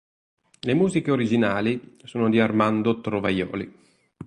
Le musiche originali sono di Armando Trovajoli.